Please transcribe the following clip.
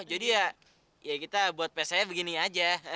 jadi ya ya kita buat pesenya begini aja